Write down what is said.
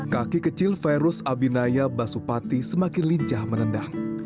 kaki kecil virus abinaya basupati semakin lincah merendah